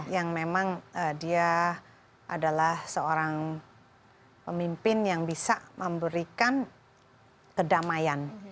yang memang dia adalah seorang pemimpin yang bisa memberikan kedamaian